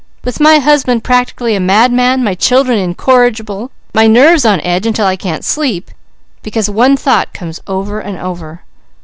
With my husband practically a madman, my children incorrigible, my nerves on edge until I can't sleep, because one thought comes over and over."